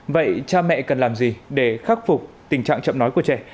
vậy cha mẹ cần làm gì để khắc phục tình trạng chậm nói của trẻ